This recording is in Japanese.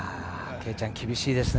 圭ちゃん、厳しいですね。